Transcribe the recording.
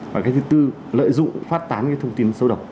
và thứ tư lợi dụng phát tán thông tin sâu độc